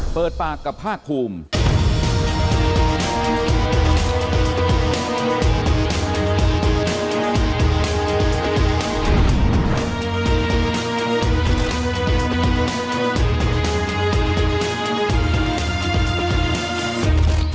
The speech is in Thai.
เปิดปากกับภาคภูมิ